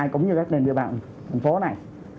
cũng như các địa bàn thành phố này